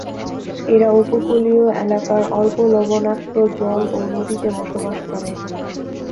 এরা উপকূলীয় এলাকার অল্প লবণাক্ত জল ও নদীতে বসবাস করে।